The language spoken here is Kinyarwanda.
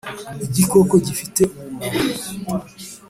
Igikoko gifite ubumara